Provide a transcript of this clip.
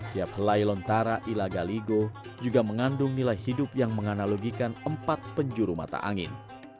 tiap helai lontara ila galigo juga mengandung nilai hidup yang menganalogikan empat penjuru mata angin